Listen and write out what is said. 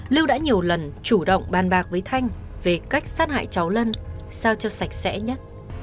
lưu đã nhiều lần chủ động bàn bạc với thanh về cách sát hại cháu lân sao cho sạch sẽ nhất